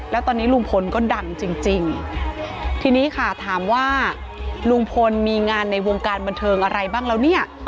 แล้วตอนนี้ลุงพลก็ดังจริงทีนี้ค่ะถามว่าลุงพลมีงานในวงการบันเทิงอะไรบ้างแล้วเนี่ย